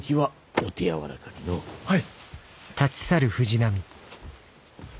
はい！